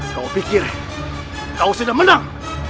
kau pikir kau sudah menang